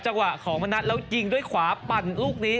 จังหวะของมณัฐแล้วยิงด้วยขวาปั่นลูกนี้